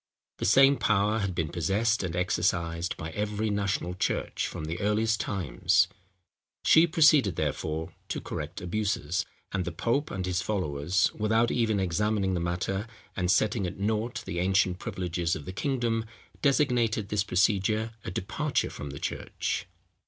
The same power had been possessed and exercised by every national church from the earliest times. She proceeded, therefore, to correct abuses; and the pope and his followers, without even examining the matter, and setting at nought the ancient privileges of the kingdom, designated this procedure a departure from the church.